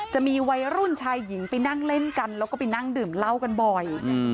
จะมีวัยรุ่นชายหญิงไปนั่งเล่นกันแล้วก็ไปนั่งดื่มเหล้ากันบ่อย